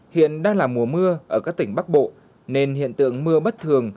hiện đang là mùa mưa ở các tỉnh bắc bộ nên hiện tượng mưa bất thường